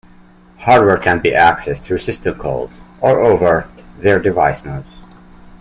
Hardware can be accessed through system calls or over their device nodes.